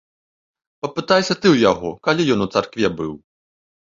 Папытайся ты ў яго, калі ён у царкве быў?